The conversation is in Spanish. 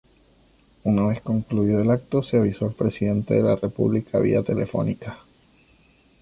Una vez concluido el acto se avisó al Presidente de la República vía telefónica.